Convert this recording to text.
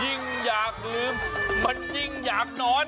ยิ่งอยากลืมมันยิ่งอยากนอน